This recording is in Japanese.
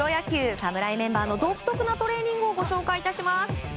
侍メンバーの独特なトレーニングをご紹介します。